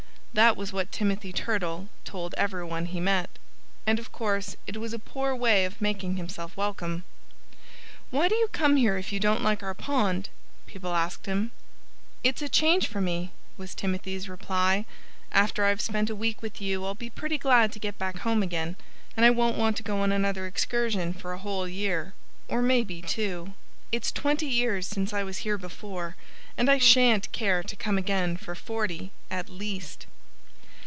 That was what Timothy Turtle told everyone he met. And of course it was a poor way of making himself welcome. "Why do you come here, if you don't like our pond?" people asked him. "It's a change for me," was Timothy's reply. "After I've spent a week with you I'll be pretty glad to get back home again. And I won't want to go on another excursion for a whole year or maybe two. "It's twenty years since I was here before. And I sha'n't care to come again for forty, at least."